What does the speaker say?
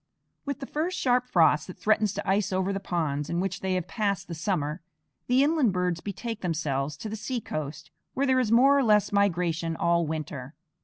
With the first sharp frost that threatens to ice over the ponds in which they have passed the summer, the inland birds betake themselves to the seacoast, where there is more or less migration all winter.